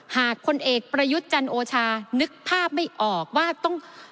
พลเอกประยุทธ์จันโอชานึกภาพไม่ออกว่าต้อง